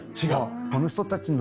この人たちを。